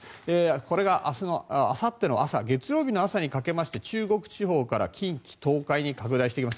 これがあさっての朝月曜日の朝にかけまして中国地方から近畿、東海に拡大していきます。